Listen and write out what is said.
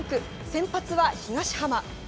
先発は東浜。